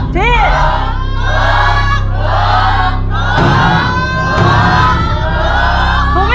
ถูก